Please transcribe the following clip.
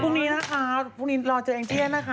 พรุ่งนี้นะคะพรุ่งนี้รอเจอแองเทศนะคะ